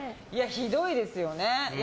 ひどいですよね。